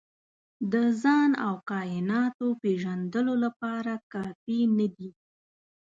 د ځان او کایناتو پېژندلو لپاره کافي نه دي.